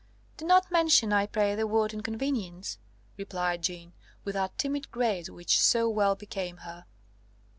"Do not mention, I pray, the word inconvenience," replied Jeanne, with that timid grace which so well became her.